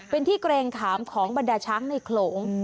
เป็นที่เกรงขามของบรรดาช้างในโขลง